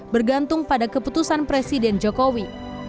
bergantung pada keputusan presiden jokowi